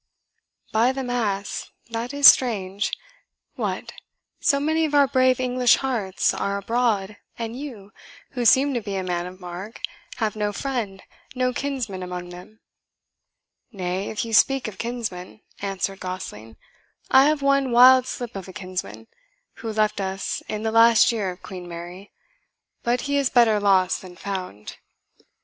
"By the Mass, that is strange. What! so many of our brave English hearts are abroad, and you, who seem to be a man of mark, have no friend, no kinsman among them?" "Nay, if you speak of kinsmen," answered Gosling, "I have one wild slip of a kinsman, who left us in the last year of Queen Mary; but he is better lost than found."